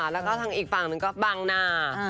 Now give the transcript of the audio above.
แล้วก็ทางอีกฝั่งหนึ่งก็บางหน้า